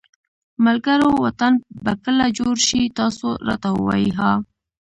ملګروو وطن به کله جوړ شي تاسو راته ووایی ها